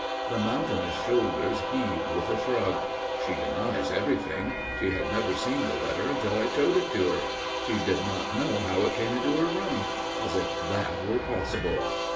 The mountainous shoulders heaved with a shrug. "She denies everything. She had never seen the letter until I showed it to her. She did not know how it came into her room. As if that were possible!"